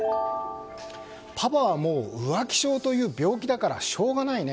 パパはもう浮気性という病気だからしょうがないね。